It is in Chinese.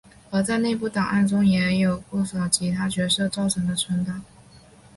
而在内部档案中也有不少其他角色造成的存档。